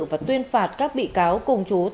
và tuyên phạt các bị cáo cùng chú